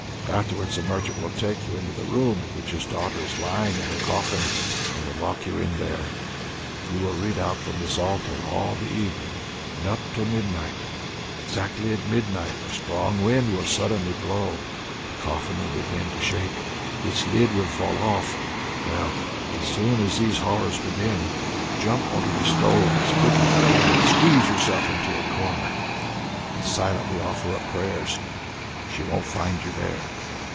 Afterwards the merchant will take you into the room in which his daughter is lying in her coffin, and will lock you in there. You will read out from the psalter all the evening, and up to midnight. Exactly at midnight a strong wind will suddenly begin to blow, the coffin will begin to shake, its lid will fall off. Well, as soon as these horrors begin, jump on to the stove as quick as you can, squeeze yourself into a corner, and silently offer up prayers. She won't find you there."